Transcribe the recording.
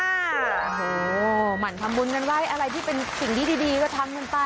โอ้โหหมั่นทำบุญกันไว้อะไรที่เป็นสิ่งดีก็ทำกันไป